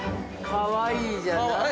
◆かわいいじゃない。